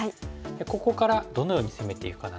ここからどのように攻めていくかなんですけども。